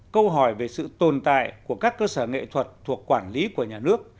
câu hỏi về sự tồn tại của các cơ sở nghệ thuật thuộc quản lý của nhà nước